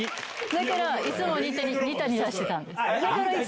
だからいつもニタニタしてた。